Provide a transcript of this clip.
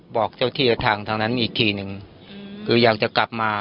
บอกเจ้าที่ทางทางนั้นอีกทีหนึ่งคืออยากจะกลับมา